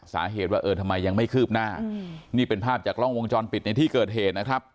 สาเหตุว่าเออทำไมยังไม่คืบหน้านี่เป็นภาพจากกล้องวงจรปิดในที่เกิดเหตุนะครับ